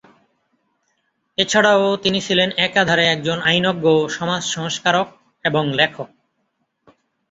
এছাড়াও তিনি ছিলেন একাধারে একজন আইনজ্ঞ, সমাজ সংস্কারক এবং লেখক।